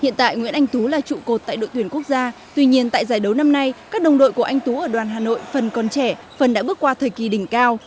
hiện tại nguyễn anh tú là trụ cột tại đội tuyển quốc gia tuy nhiên tại giải đấu năm nay các đồng đội của anh tú ở đoàn hà nội phần còn trẻ phần đã bước qua thời kỳ đỉnh cao